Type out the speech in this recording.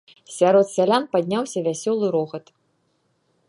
Сярод сялян падняўся вясёлы рогат.